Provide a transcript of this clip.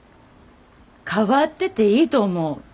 変わってていいと思う。